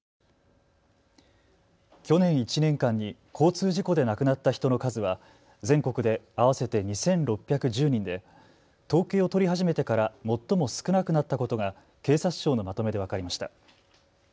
去年１年間に交通事故で亡くなった人の数は全国で合わせて２６１０人で統計を取り始めてから最も少なくなったことが警察庁のまとめで分かりました。